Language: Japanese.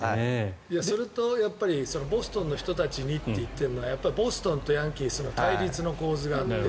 それとボストンの人たちにって言ってるのはやっぱりボストンとヤンキースの対立の構図があって。